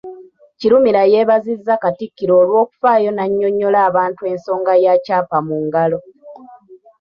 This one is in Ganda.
Kirumira yeebazizza Katikkiro olw'okufaayo n’annyonnyola abantu ensonga ya ‘Kyapa mu Ngalo’